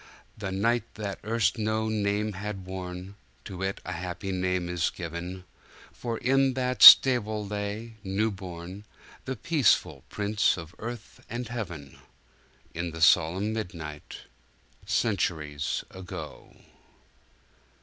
The night that erst no name had worn, To it a happy name is given; For in that stable lay, new born, The peaceful Prince of Earth and Heaven, In the solemn midnight, Centuries ago!